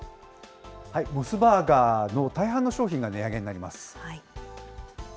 モスバーガーの大半の商品が値上げになります。